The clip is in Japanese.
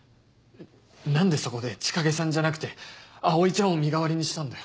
何でそこで千景さんじゃなくて葵ちゃんを身代わりにしたんだよ？